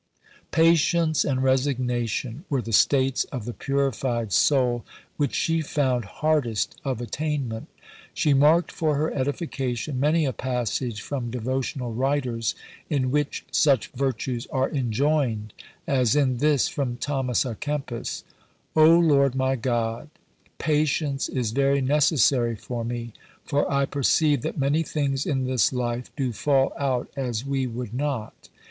Patience and resignation were the states of the purified soul which she found hardest of attainment. She marked for her edification many a passage from devotional writers in which such virtues are enjoined; as in this from Thomas à Kempis: "Oh Lord my God, patience is very necessary for me, for I perceive that many things in this life do fall out as we would not....